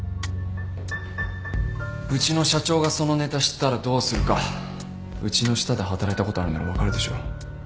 うちの社長がそのネタ知ったらどうするかうちの下で働いたことあるなら分かるでしょう。